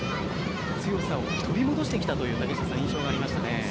強さを取り戻してきたという印象がありましたね。